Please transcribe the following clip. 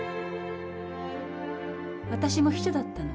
わたしも秘書だったの。